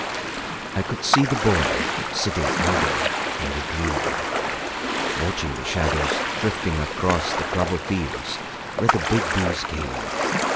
I could see the boy, sitting idle and a dream, watching the shadows drifting across the clover fields where the big bees came.